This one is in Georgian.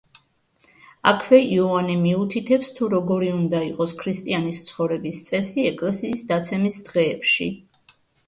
აქვე იოანე მიუთითებს, თუ როგორი უნდა იყოს ქრისტიანის ცხოვრების წესი ეკლესიის დაცემის დღეებში.